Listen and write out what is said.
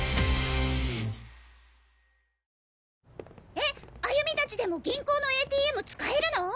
えっ歩美達でも銀行のＡＴＭ使えるの？